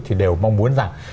thì đều mong muốn rằng